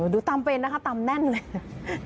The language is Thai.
ดูตามเป็นนะคะตามแน่นเลย